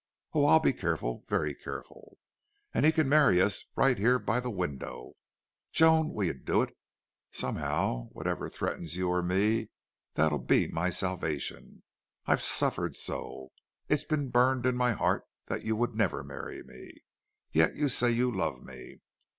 Oh, I'll be careful very careful. And he can marry us right here by the window. Joan, will you do it?... Somehow, whatever threatens you or me that'll be my salvation!... I've suffered so. It's been burned in my heart that YOU would never marry me. Yet you say you love me!...